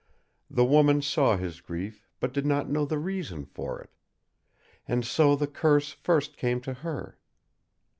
The woman saw his grief but did not know the reason for it. And so the curse first came to her.